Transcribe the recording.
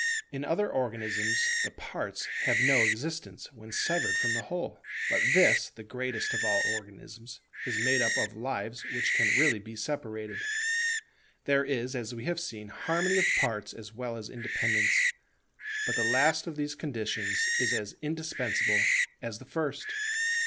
In other organisms the parts have no existence when severed from the whole; but this, the greatest of all organisms, is made up of lives which can really be separated. There is, as we have seen, harmony of parts as well as independence, but the last of these conditions is as indispensable as the first.